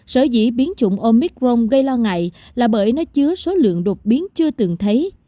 sở dĩ biến chủng omicron gây lo ngại là bởi nó chứa số lượng đột biến chưa từng thấy